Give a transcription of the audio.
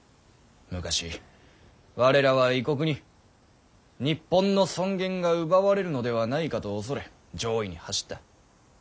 昔我らは異国に日本の尊厳が奪われるのではないかと恐れ攘夷に走った。